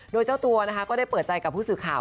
โดยเจ้าตัวนะคะก็ได้เปิดใจกับผู้สื่อข่าว